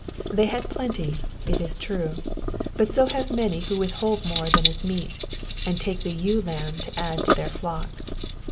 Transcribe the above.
They had plenty, it is true; but so have many who withhold more than is meet, and take the ewe lamb to add to their flock.